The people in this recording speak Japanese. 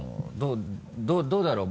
どうだろう？